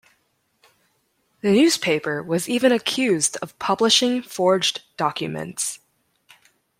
The newspaper was even accused of publishing forged documents.